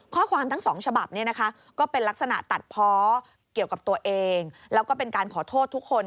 ข้อความทั้ง๒ฉบับก็เป็นลักษณะตัดพอเกี่ยวกับตัวเองแล้วก็เป็นการขอโทษทุกคน